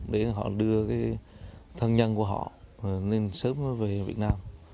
để họ đưa thân nhân của họ sớm về việt nam